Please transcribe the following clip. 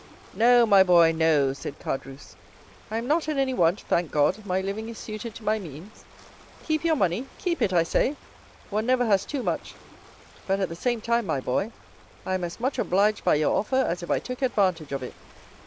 "No, my boy, no," said Caderousse. "I am not in any want, thank God, my living is suited to my means. Keep your money—keep it, I say;—one never has too much;—but, at the same time, my boy, I am as much obliged by your offer as if I took advantage of it."